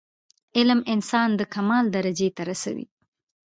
علم انسان د کمال درجي ته رسوي.